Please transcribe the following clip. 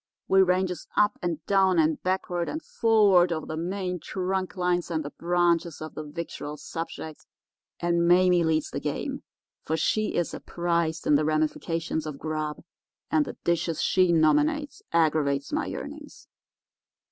We ranges up and down and backward and forward over the main trunk lines and the branches of the victual subject, and Mame leads the game, for she is apprised in the ramifications of grub, and the dishes she nominates aggravates my yearnings.